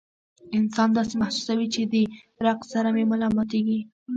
انسان داسې محسوسوي چې د ړق سره مې ملا ماتيږي